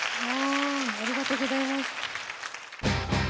ありがとうございます。